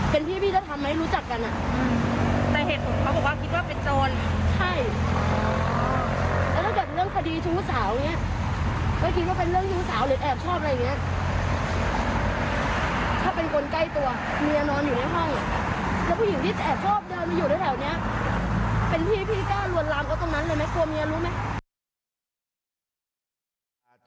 เป็นพี่พี่ก้าลวนลามเขาตรงนั้นเลยมั้ยตัวเมียรู้มั้ย